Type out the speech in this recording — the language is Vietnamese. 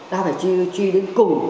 ta phải truy đến cùng